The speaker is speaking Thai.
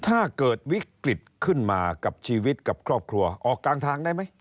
ถ้าเกิดวิกฤตขึ้นมากับชีวิตกับครอบครัวออกกลางทางได้ไหม